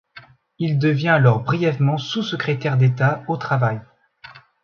Il devient alors brièvement sous-secrétaire d'État au Travail.